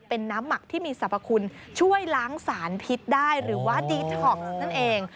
เป็นน้ำหมักที่มีสรรพคุณช่วยล้างสารพิษได้หรือว่าดีท็อกซ์นั่นเอง